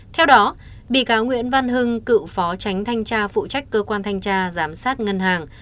theo đó bị cáo nguyễn văn hưng cựu phó tránh thanh tra phụ trách cơ quan thanh tra giám sát ngân hàng